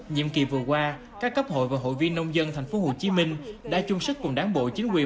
nhiệm kỳ vừa qua các cấp hội và hội viên nông dân tp hcm đã chung sức cùng đáng bộ chính quyền